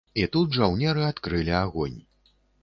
І тут жаўнеры адкрылі агонь.